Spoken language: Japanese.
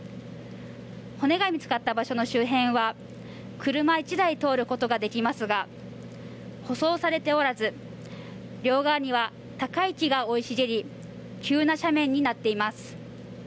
骨が見つかった場所の周辺は車１台通ることができますが舗装されておらず、両側には高い木が生い茂り急な斜面になっています。